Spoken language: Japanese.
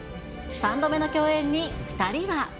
３度目の共演に、２人は。